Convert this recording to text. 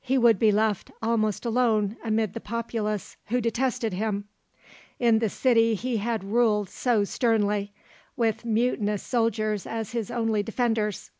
He would be left almost alone amid the populace who detested him, in the city he had ruled so sternly, with mutinous soldiers as his only defenders.